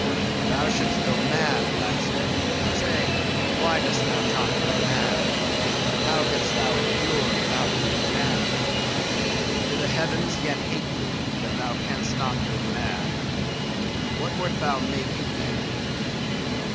Thou should'st go mad, blacksmith; say, why dost thou not go mad? How can'st thou endure without being mad? Do the heavens yet hate thee, that thou can'st not go mad?—What wert thou making there?"